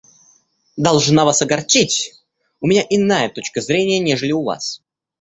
Должна Вас огорчить, у меня иная точка зрения, нежели у Вас.